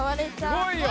すごいよ！